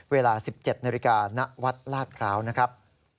เวลา๑๗นณวัดลาดคราวนะครับ